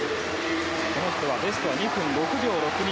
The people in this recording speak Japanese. この人はベストは２分６秒６２。